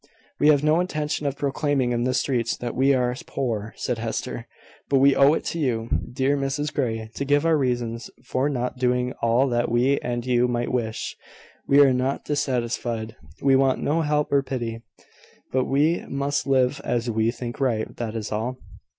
"We have no intention of proclaiming in the streets that we are poor," said Hester. "But we owe it to you, dear Mrs Grey, to give our reasons for not doing all that we and you might wish. We are not dissatisfied: we want no help or pity: but we must live as we think right that is all."